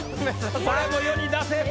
これはもう世に出せば。